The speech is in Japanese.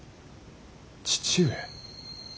父上。